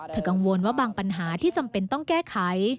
กังวลว่าบางปัญหาที่จำเป็นต้องแก้ไข